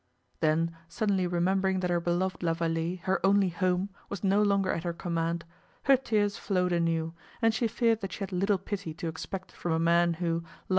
Then, suddenly remembering that her beloved La Vallée, her only home, was no longer at her command, her tears flowed anew, and she feared that she had little pity to expect from a man who, like M.